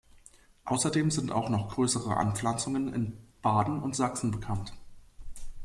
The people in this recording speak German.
Außerdem sind auch noch größere Anpflanzungen in Baden und Sachsen bekannt.